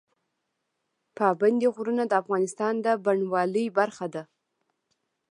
پابندی غرونه د افغانستان د بڼوالۍ برخه ده.